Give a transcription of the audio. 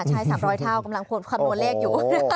ใช่๓๐๐เท่ากำลังควรคำนวณเลขอยู่